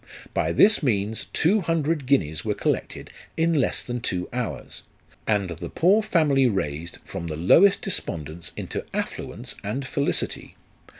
By this means two hundred guineas were collected in less than two hours, and the poor family raised from the lowest despondence into aflluence and felicity.